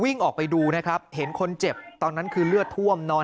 วิ่งออกไปดูเลยครับเห็นคนเจ็บตอนนั้นคือเลือดทรวมที่พร่ำนอน